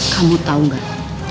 kamu tau gak